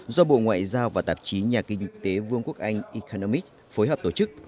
do bộ ngoại giao và tạp chí nhà kinh tế vương quốc anh ekanomic phối hợp tổ chức